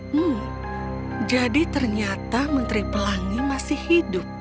hmm jadi ternyata menteri pelangi masih hidup